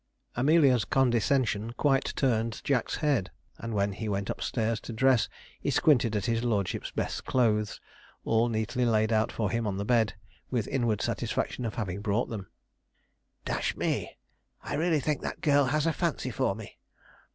Amelia's condescension quite turned Jack's head; and when he went upstairs to dress, he squinted at his lordship's best clothes, all neatly laid out for him on the bed, with inward satisfaction at having brought them. 'Dash me!' said he, 'I really think that girl has a fancy for me.'